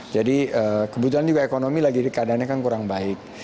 jadi kebetulan juga ekonomi lagi di keadaannya kan kurang baik